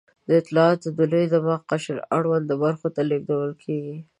دا اطلاعات د لوی دماغ د قشر اړوندو برخو ته لېږدول کېږي.